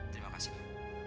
terima kasih pak